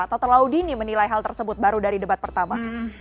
atau terlalu dini menilai hal tersebut baru dari debat pertama